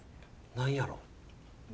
何やろ？